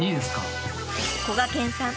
［こがけんさん